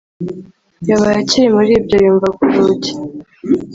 yabaye akiri muribyo yumva kurugi